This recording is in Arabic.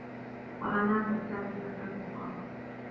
وَمَنَاةَ الثَّالِثَةَ الأُخْرَى